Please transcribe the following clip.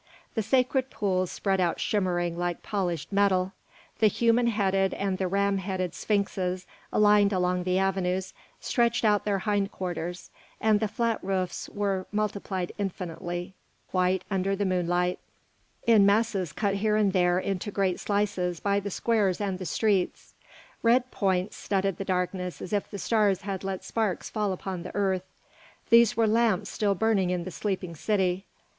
The sacred pools spread out shimmering like polished metal; the human headed and the ram headed sphinxes aligned along the avenues, stretched out their hind quarters; and the flat roofs were multiplied infinitely, white under the moonlight, in masses cut here and there into great slices by the squares and the streets. Red points studded the darkness as if the stars had let sparks fall upon the earth. These were lamps still burning in the sleeping city.